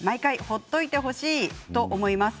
毎回ほっといてほしいと思います。